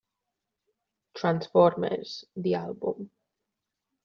Transformers: The Album